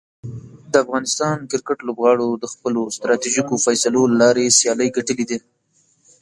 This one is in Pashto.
د افغانستان کرکټ لوبغاړو د خپلو ستراتیژیکو فیصلو له لارې سیالۍ ګټلي دي.